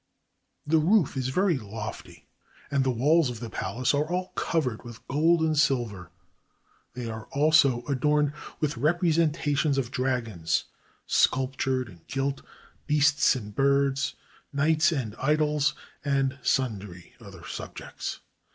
The roof is very lofty, and the walls of the palace are all covered with gold and silver. They are also adorned with representations of dragons, sculptured and gilt, beasts and birds, knights and idols, and sundry other subjects.